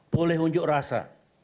boleh unjuk rasa